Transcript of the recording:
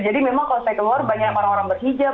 jadi memang kalau saya keluar banyak orang orang berhijab